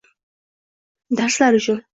Darslar uchun